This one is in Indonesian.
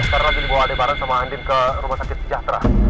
sekarang lagi dibawa lebaran sama andin ke rumah sakit sejahtera